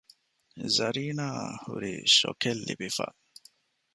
ޒަރީނާ އަށް ހުރީ ޝޮކެއް ލިބިފަ